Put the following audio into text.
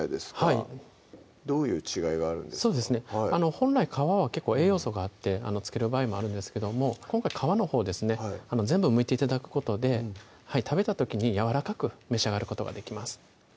本来皮は結構栄養素があって付ける場合もあるんですけども今回皮のほうですね全部むいて頂くことで食べた時にやわらかく召し上がることができます